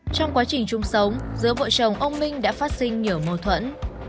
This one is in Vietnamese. trong quá trình chung sống giữa vợ chồng ông minh đã phát sinh nhiều mâu thuẫn